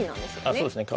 そうですね。